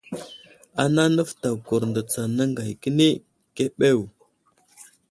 Ana nəfətay kurndo tsa aŋgay kəni keɓew.